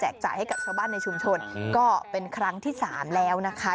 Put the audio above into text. จ่ายให้กับชาวบ้านในชุมชนก็เป็นครั้งที่๓แล้วนะคะ